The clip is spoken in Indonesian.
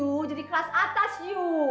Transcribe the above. menjadi kelas atas kamu